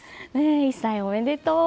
１歳おめでとう。